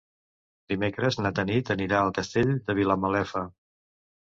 Dimecres na Tanit anirà al Castell de Vilamalefa.